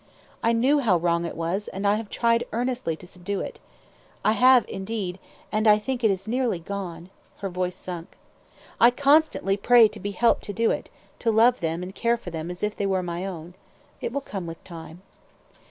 I knew how wrong it was, and I have tried earnestly to subdue it. I have, indeed, and I think it is nearly gone," her voice sunk. "I constantly pray to be helped to do it; to love them and care for them as if they were my own. It will come with time."